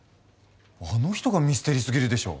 あの人がミステリーすぎるでしょ！